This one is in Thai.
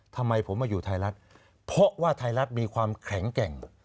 ทำไมผมมาอยู่ไทยรัฐเพราะว่าไทยรัฐมีความแข็งแกร่ง